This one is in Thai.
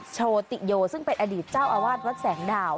โชติโยซึ่งเป็นอดีตเจ้าอาวาสวัดแสงดาว